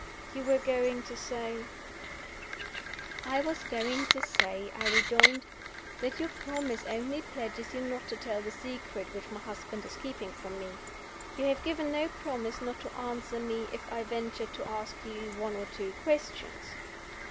"You were going to say " "I was going to say," I rejoined, "that your promise only pledges you not to tell the secret which my husband is keeping from me. You have given no promise not to answer me if I venture to ask you one or two questions."